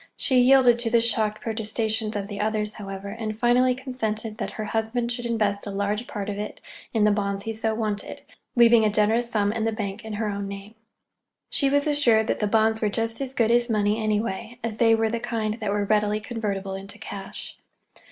She yielded to the shocked protestations of the others, however, and finally consented that her husband should invest a large part of it in the bonds he so wanted, leaving a generous sum in the bank in her own name. She was assured that the bonds were just as good as money, anyway, as they were the kind that were readily convertible into cash.